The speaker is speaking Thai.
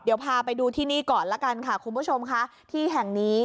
เดี๋ยวพาไปดูที่นี่ก่อนละกันค่ะคุณผู้ชมค่ะที่แห่งนี้